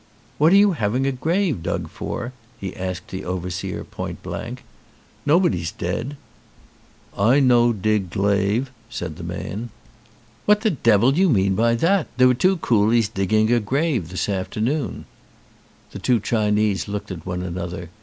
"What are you having a grave dug for?" he asked the overseer point blank. "Nobody's dead." "I no dig glave," said the man. 199 ON A CHINESE SCREEN "What the devil do you mean by that? There were two coolies digging a grave this afternoon." The two Chinese looked at one another.